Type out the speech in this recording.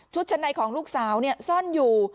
ชุดชัดในของลูกสาวเนี่ยซ่อนอยู่